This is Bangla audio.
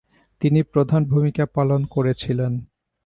তিনি প্রধান ভূমিকা পালন করেছিলেন।